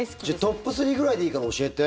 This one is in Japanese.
トップ３ぐらいでいいから、教えて。